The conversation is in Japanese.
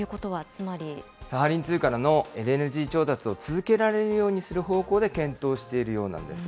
サハリン２からのＬＮＧ調達を続けられるようにする方向で検討しているようなんです。